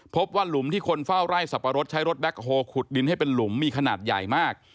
หลุมที่คนเฝ้าไร่สับปะรดใช้รถแบ็คโฮลขุดดินให้เป็นหลุมมีขนาดใหญ่มาก